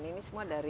nah ini sudah terbang